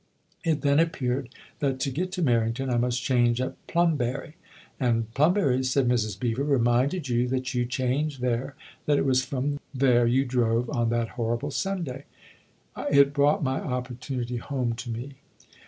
It then appeared that to get to Harrington I must change at Plumbury " And Plumbury," said Mrs. Beever, " reminded you that you changed there, that it was from there you drove, on that horrible Sunday." " It brought my opportunity home to me.